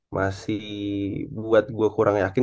masih buat gue kurang yakin